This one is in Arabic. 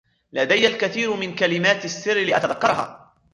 لديَ الكثير من كلمات السر لأتذكرها.